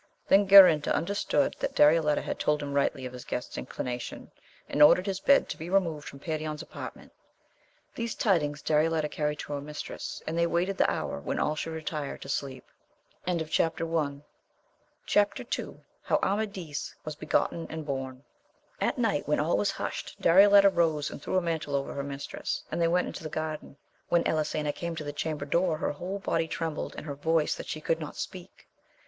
Then Garinter understood that Darioleta had told him rightly of his guest's inclination, and ordered his bed to be removed from Perion's apart ment. These tidings Darioleta carried to her mistress, and they waited the hour when all should retire to sleep. Chap. II. — How Amadis was begotten and bom. T night when all was husht, Darioleta rose,]a,nd threw a mantle over her mistress, and they went into the garden. When Elisena came to the chamber door her whole body trembled, and her voice that she could not speak.